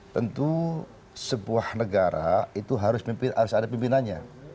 tentu sebuah negara itu harus ada pimpinannya